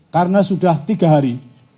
karena sudah tiga hari